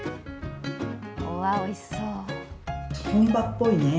うわ、おいしそう。